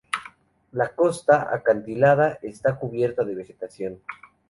La costa, acantilada, está cubierta de vegetación.